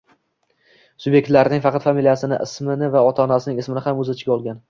subyektlarning faqat familiyasini, ismini va otasining ismini o‘z ichiga olgan;